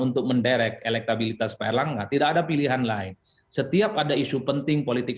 untuk menderek elektabilitas pak erlangga tidak ada pilihan lain setiap ada isu penting politik